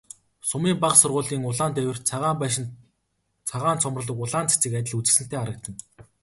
Сумын бага сургуулийн улаан дээвэрт цагаан байшин, цагаан цоморлог улаан цэцэг адил үзэсгэлэнтэй харагдана.